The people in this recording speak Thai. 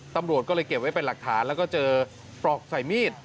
ตำรวจก็เลยเก็บไว้เป็นหลักฐานแล้วก็เจอปลอกใส่มีด